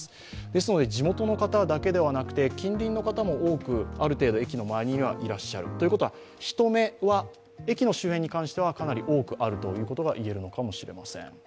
ですので地元の方だけではなくて近隣の方も多くいらっしゃるということは、人目は駅の周辺に関してはかなり多くあるということが言えるのかもしれません。